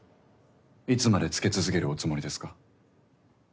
いつまでつけ続けるおつもりですか？